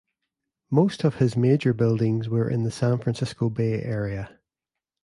Most of his major buildings were in the San Francisco Bay Area.